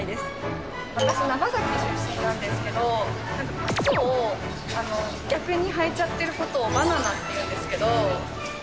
私長崎出身なんですけどクツを逆に履いちゃってる事を「バナナ」って言うんですけど。